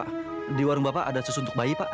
pak di warung bapak ada sus untuk bayi pak